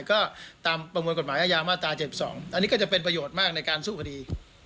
ก็ตามประมวลกฎหมายอาญามาตรา๗๒อันนี้ก็จะเป็นประโยชน์มากในการสู้คดี